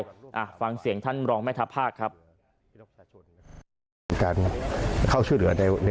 บางเสียงท่านรองแม่ธาพาคครับ